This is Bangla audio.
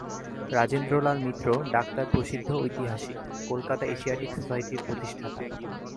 রাজেন্দ্রলাল মিত্র, ডাক্তার প্রসিদ্ধ ঐতিহাসিক, কলিকাতা এসিয়াটিক সোসাইটির প্রতিষ্ঠাতা।